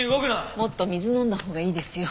もっと水飲んだほうがいいですよ。